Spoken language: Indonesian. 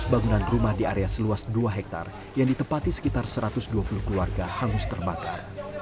lima belas bangunan rumah di area seluas dua hektare yang ditepati sekitar satu ratus dua puluh keluarga hangus terbakar